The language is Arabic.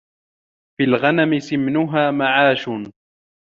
فِي الْغَنَمِ سِمَنُهَا مَعَاشٌ